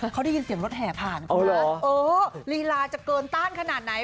เขาได้ยินเสียงรถแห่ผ่านคุณนะเออลีลาจะเกินต้านขนาดไหน